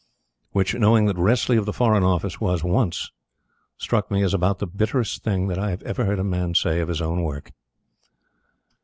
Which, knowing what Wressley of the Foreign Office was once, struck me as about the bitterest thing that I had ever heard a man say of his own work.